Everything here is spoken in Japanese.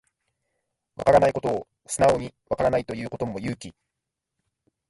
わからないことを素直にわからないと言うことも勇気